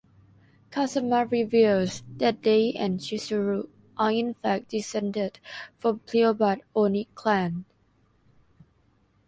Kazama reveals that they and Chizuru are in fact descended from pureblood Oni clan.